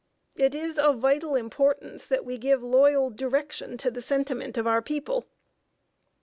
It is of vital importance that we give loyal direction to the sentiment of our people."